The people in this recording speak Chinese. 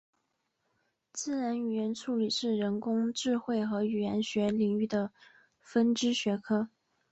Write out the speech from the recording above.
自然语言处理是人工智慧和语言学领域的分支学科。